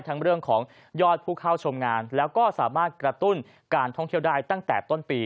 เรื่องของยอดผู้เข้าชมงานแล้วก็สามารถกระตุ้นการท่องเที่ยวได้ตั้งแต่ต้นปี